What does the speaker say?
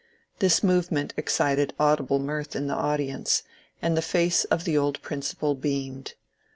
This movement excited audible mirth in the audience, and the &ce of the old Principal beamed.